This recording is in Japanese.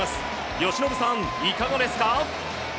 由伸さん、いかがですか？